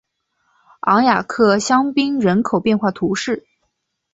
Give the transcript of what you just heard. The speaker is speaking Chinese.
昂雅克香槟人口变化图示